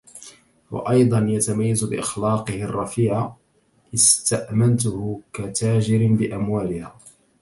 وأيضًا يتميز بأخلاقه الرفيعة استأمنته كتاجر بأموالها.